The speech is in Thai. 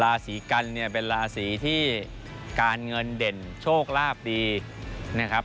ราศีกันเนี่ยเป็นราศีที่การเงินเด่นโชคลาภดีนะครับ